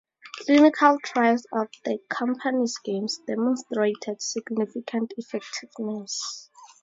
Clinical trials of the company's games demonstrated significant effectiveness.